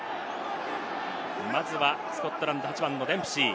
まずは、スコットランド８番・デンプシー。